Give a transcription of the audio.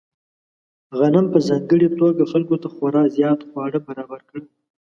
غنم په ځانګړې توګه خلکو ته خورا زیات خواړه برابر کړل.